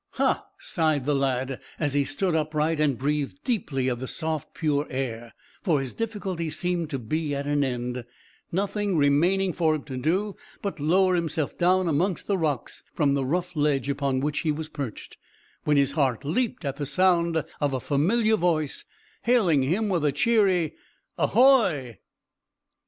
"Hah!" sighed the lad, as he stood upright and breathed deeply of the soft pure air, for his difficulties seemed to be at an end, nothing remaining for him to do but lower himself down amongst the rocks from the rough ledge upon which he was perched, when his heart leaped at the sound of a familiar voice hailing him with a cheery "Ahoy!"